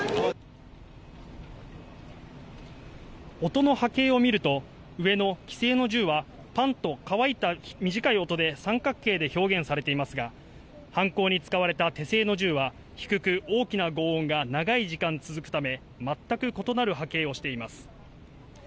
音の波形を見ると上の規制の銃はパンっと乾いた短い音で、三角形で表現されていますが、犯行に使われた手製の銃は低く大きな轟音が長い時間続くため、全く異なる波形をしています。